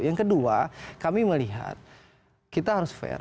yang kedua kami melihat kita harus fair